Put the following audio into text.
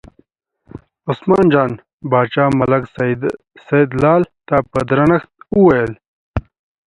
عثمان جان باچا ملک سیدلال ته په درنښت وویل.